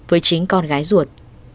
với chính viên